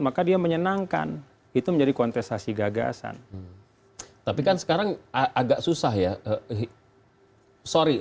maka dia menyenangkan itu menjadi kontestasi gagasan tapi kan sekarang agak susah ya sorry